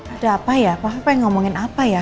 ada apa ya papa pengen ngomongin apa ya